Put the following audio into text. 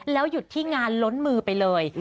หยุดที่งานล้นมือไปเลย